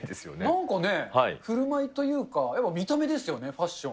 なんかね、ふるまいというか、見た目ですよね、ファッション。